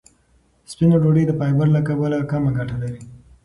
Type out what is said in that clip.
سپینه ډوډۍ د فایبر له کبله کمه ګټه لري.